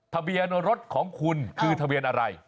ทะเบียนรถของคุณคือทะเบียนอะไร